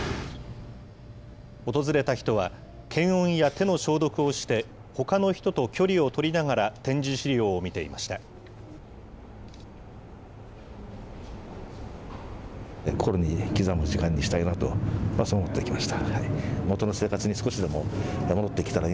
訪れた人は、検温や手の消毒をして、ほかの人と距離を取りながら、展示資料を見ていました。